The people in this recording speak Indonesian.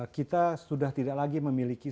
kita sudah tidak lagi memiliki